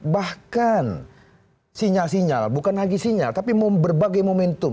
bahkan sinyal sinyal bukan lagi sinyal tapi berbagai momentum